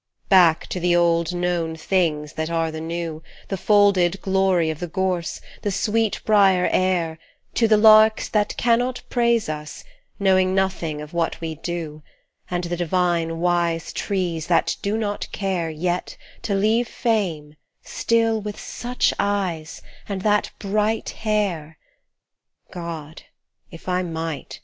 Back to the old known things that are the new, The folded glory of the gorse, the sweet briar air, To the larks that cannot praise us, knowing nothing of what we do And the divine, wise trees that do not care Yet, to leave Fame, still with such eyes and that bright hair ! God ! If I might